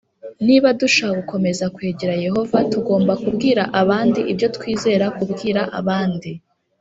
Niba dushaka gukomeza kwegera Yehova tugomba kubwira abandi ibyo twizera Kubwira abandi